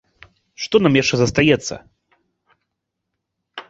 Што нам яшчэ застаецца?